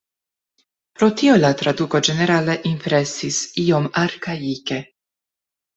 Pro tio la traduko ĝenerale impresis iom arkaike.